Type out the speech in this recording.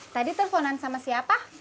tadi telfonan sama siapa